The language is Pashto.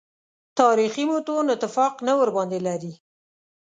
تاریخي متون اتفاق نه ورباندې لري.